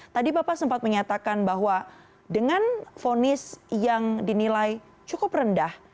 tadi bapak sempat menyatakan bahwa dengan vonis yang dinilai cukup rendah